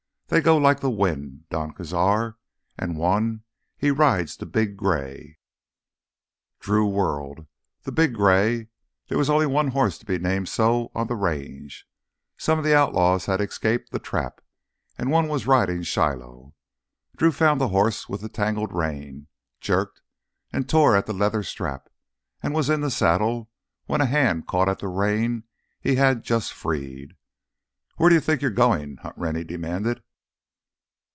"They go like the wind, Don Cazar. And one—he rides the big gray!" Drew whirled. The big gray—there was only one horse to be named so on the Range. Some of the outlaws had escaped the trap and one was riding Shiloh! Drew found the horse with the tangled rein, jerked and tore at the leather strap, and was in the saddle when a hand caught at the rein he had just freed. "Where do you think you're going?" Hunt Rennie demanded.